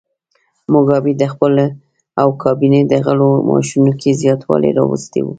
موګابي د خپل او کابینې د غړو معاشونو کې زیاتوالی راوستی و.